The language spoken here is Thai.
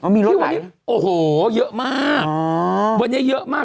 มีรถไหลโอ้โหเยอะมากวันนี้เยอะมาก